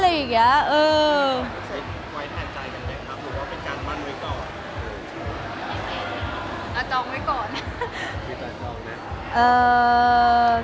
คือบอกเลยว่าเป็นครั้งแรกในชีวิตจิ๊บนะ